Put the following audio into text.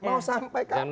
mau sampai kapan ini